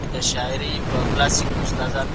که د علم پراختیا وساتل سي، نو علم به لا غښتلی سي.